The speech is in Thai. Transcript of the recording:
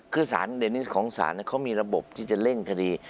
คือเด็นนี้ของศาลเนี่ยเขามีระบบที่จะเล่นคดี